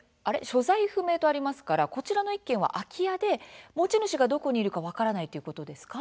所在不明とありますからこちらの一軒は空き家で持ち主がどこにいるか分からないっていうことですか？